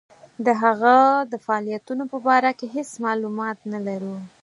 د هغه د فعالیتونو په باره کې هیڅ معلومات نه لرو.